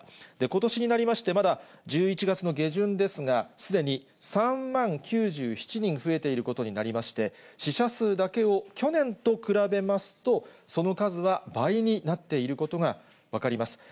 ことしになりまして、まだ１１月の下旬ですが、すでに３万９７人増えていることになりまして、死者数だけを去年と比べますと、その数は倍になっていることが分かります。